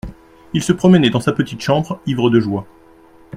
Il se promenait dans sa petite chambre ivre de joie.